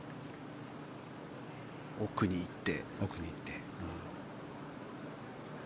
奥に行って。